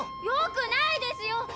よくないですよ！